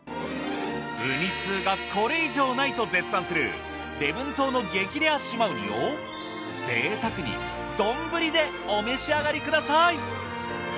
ウニ通がこれ以上ないと絶賛する礼文島の激レア島ウニをぜいたくに丼でお召し上がりください。